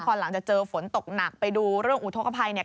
พอน้ำจะเจอฝนตกหนัก๊ย์ไปดูเรื่องอุทธกภัยเนี้ย